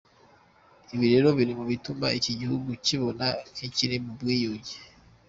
Ibi rero biri mu bituma iki gihugu cyibona nk’ikiri mu bwigunge.